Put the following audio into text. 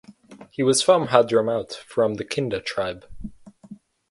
He was from Hadhramaut from the Kinda tribe.